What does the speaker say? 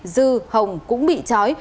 dư hồng cũng bị chói